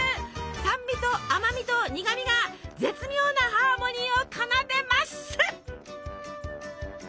酸味と甘味と苦味が絶妙なハーモニーを奏でます！